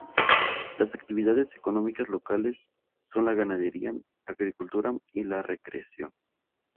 Las actividades económicas locales son la ganadería, agricultura y la recreación.